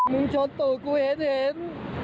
มึงชนตูดกูเห็น